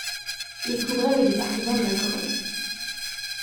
Il couvrait le département de la Corrèze.